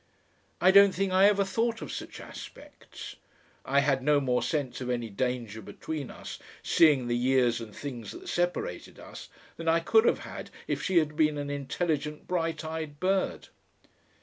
I don't think I ever thought of such aspects. I had no more sense of any danger between us, seeing the years and things that separated us, than I could have had if she had been an intelligent bright eyed bird.